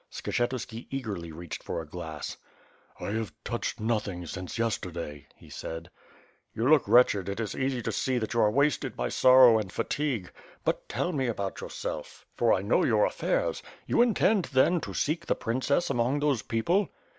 Skshetuski eagerly reached for a glass. *T have touched nothing since yesterday," he said. 'Tou look wretched, it is easy to see that you are wasted by sorrow and fatigue. But tell me about yourself, for I know WITH FIRE AND SWORD. 591 your affairs. You intend, then, to seek the princess among those people